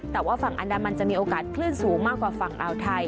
แต่ว่าฝั่งอันดามันจะมีโอกาสคลื่นสูงมากกว่าฝั่งอ่าวไทย